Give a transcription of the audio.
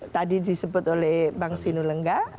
tadi disebut oleh bang sinu lengga